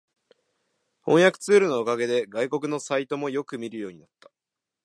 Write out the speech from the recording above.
翻訳ツールのおかげで外国のサイトもよく見るようになった